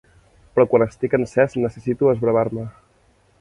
Però quan estic encès necessito esbravar-me.